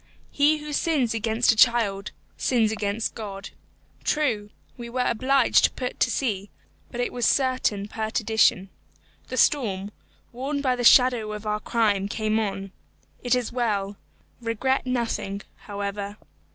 He who sins against a child, sins against God. True, we were obliged to put to sea, but it was certain perdition. The storm, warned by the shadow of our crime, came on. It is well. Regret nothing, however.